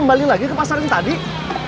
masjid istiqlal pak ustadz kota kota